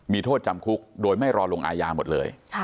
มีโทษจำคุกโดยไม่รอลงอาญาหมดเลย